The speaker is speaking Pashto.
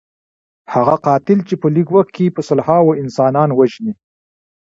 هغه قاتل چې په لږ وخت کې په سلهاوو انسانان وژني.